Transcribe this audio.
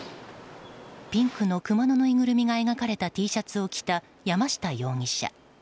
ピンクのクマのぬいぐるみが描かれたＴシャツを着た山下容疑者。